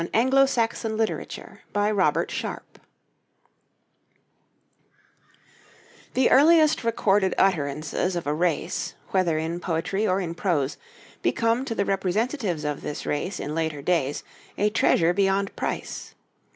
ANGLO SAXON LITERATURE BY ROBERT SHARP The earliest recorded utterances of a race, whether in poetry or in prose, become to the representatives of this race in later days a treasure beyond price.